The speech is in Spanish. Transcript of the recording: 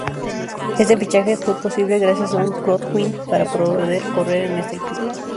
Este fichaje fu posible gracias a un Crowdfunding para poder correr en este equipo.